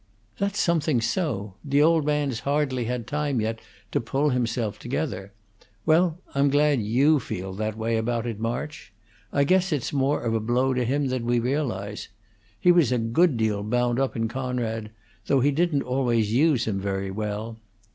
"That's something so. The old man's hardly had time yet to pull himself together. Well, I'm glad you feel that way about it, March. I guess it's more of a blow to him than we realize. He was a good deal bound up in Coonrod, though he didn't always use him very well.